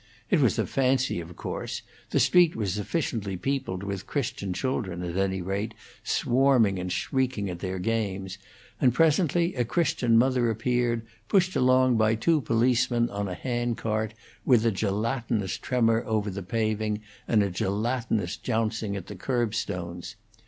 It was a fancy, of course; the street was sufficiently peopled with Christian children, at any rate, swarming and shrieking at their games; and presently a Christian mother appeared, pushed along by two policemen on a handcart, with a gelatinous tremor over the paving and a gelatinous jouncing at the curbstones.